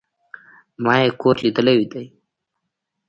ما ئې کور ليدلى دئ